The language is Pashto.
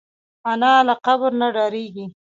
انا له قبر نه ډارېږي